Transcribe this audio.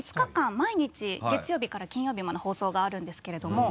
毎日月曜日から金曜日まで放送があるんですけれども。